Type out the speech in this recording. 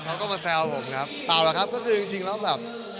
เขาก็มาแซวผมครับเปล่าล่ะครับก็คือจริงแล้วแบบ